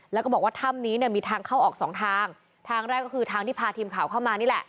แล้วก็บอกว่าถ้ำนี้เนี่ยมีทางเข้าออกสองทางทางแรกก็คือทางที่พาทีมข่าวเข้ามานี่แหละ